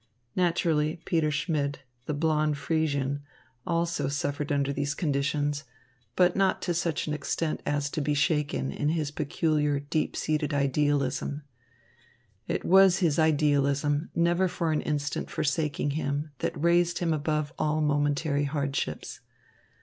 Naturally Peter Schmidt, the blond Friesian, also suffered under these conditions, but not to such an extent as to be shaken in his peculiar, deep seated idealism. It was his idealism, never for an instant forsaking him, that raised him above all momentary hardships.